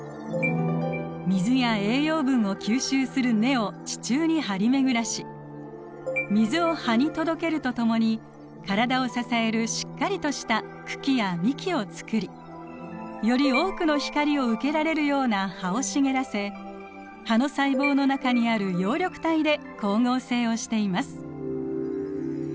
水や栄養分を吸収する根を地中に張り巡らし水を葉に届けるとともに体を支えるしっかりとした茎や幹を作りより多くの光を受けられるような葉を茂らせ葉の細胞の中にある葉緑体で光合成をしています。